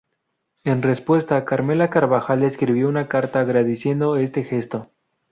En respuesta, Carmela Carvajal le escribió una carta agradeciendo este gesto.